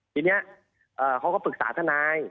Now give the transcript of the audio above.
ทีนี้เขาก็ปรึกษาทนาย